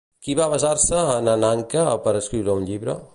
Qui va basar-se en Ananke per escriure un llibre?